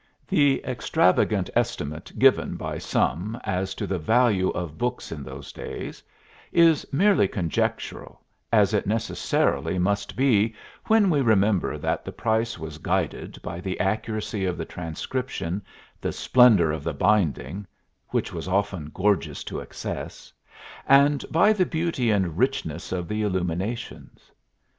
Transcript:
The extravagant estimate given by some as to the value of books in those days is merely conjectural, as it necessarily must be when we remember that the price was guided by the accuracy of the transcription, the splendor of the binding (which was often gorgeous to excess), and by the beauty and richness of the illuminations.